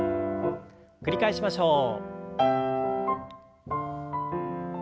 繰り返しましょう。